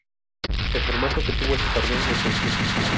El formato que tuvo ese torneo es confuso.